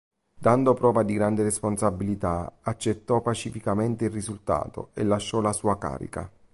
Dando prova di grande responsabilità, accettò pacificamente il risultato e lasciò la sua carica.